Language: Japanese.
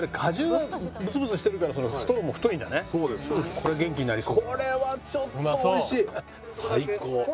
これ元気になりそう。